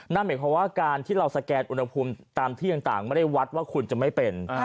นั่นหมายความว่าการที่เราสแกนอุณหภูมิตามที่ต่างไม่ได้วัดว่าคุณจะไม่เป็น